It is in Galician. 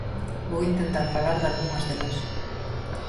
Vou intentar falar dalgunhas delas.